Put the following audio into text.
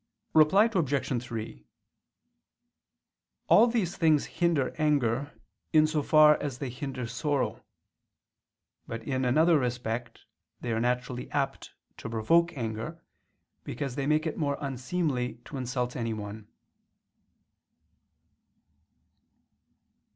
Reply Obj. 3: All these things hinder anger in so far as they hinder sorrow. But in another respect they are naturally apt to provoke anger, because they make it more unseemly to insult anyone.